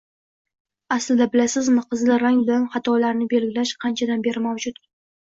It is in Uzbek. Aslida, bilasizmi qizil rang bilan xatolarni belgilash qanchadan beri mavjud?